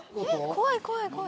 怖い怖い怖い。